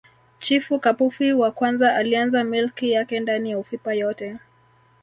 Chifu Kapufi wa Kwanza alianza milki yake ndani ya Ufipa yote